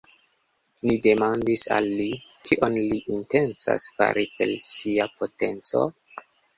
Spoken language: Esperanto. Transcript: Ni demandis al li, kion li intencas fari per sia potenco.